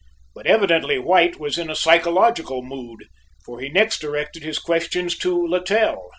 But evidently White was in a psychological mood, for he next directed his questions to Littell.